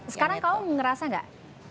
sekarang kamu ngerasa gak